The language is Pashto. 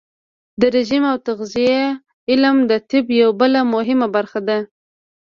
د رژیم او تغذیې علم د طب یوه بله مهمه برخه ده.